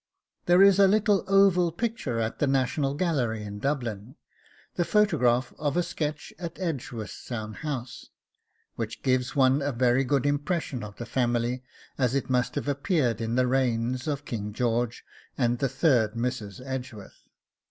There is a little oval picture at the National Gallery in Dublin, the photograph of a sketch at Edgeworthstown House, which gives one a very good impression of the family as it must have appeared in the reigns of King George and the third Mrs. Edgeworth.